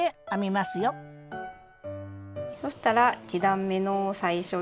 よそしたら１段めの最初です。